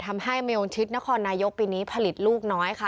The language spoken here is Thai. ทำให้เมลชิดนครนายกปีนี้ผลิตลูกน้อยค่ะ